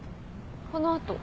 この後？